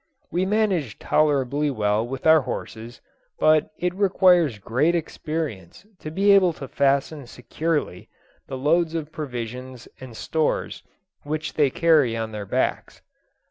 We managed tolerably well with our horses, but it requires great experience to be able to fasten securely the loads of provisions and stores which they carry on their backs.